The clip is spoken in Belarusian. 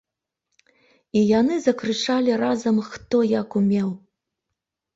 І яны закрычалі разам, хто як умеў.